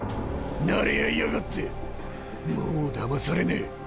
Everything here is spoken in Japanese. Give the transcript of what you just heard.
なれ合いやがってもうだまされねえ！